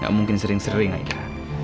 gak mungkin sering sering aja